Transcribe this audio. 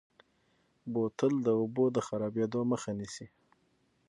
بوتل د اوبو د خرابېدو مخه نیسي.